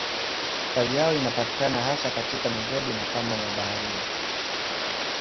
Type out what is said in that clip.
Kazi yao inapatikana hasa katika migodi na kama mabaharia.